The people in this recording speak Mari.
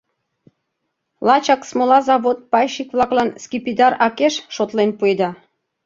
Лачак смола завод пайщик-влаклан скипидар акеш шотлен пуэда.